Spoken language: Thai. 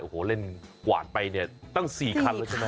โอ้โหเล่นกวาดไปเนี่ยตั้ง๔คันแล้วใช่ไหม